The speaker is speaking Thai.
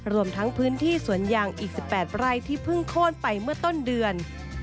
รวมทั้งพื้นที่สวนยางอีก๑๘ไร่ที่เพิ่งโค้นไปเมื่อต้นเดือน